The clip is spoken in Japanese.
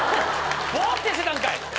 ぼーってしてたんかい！